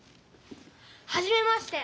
はじめまして。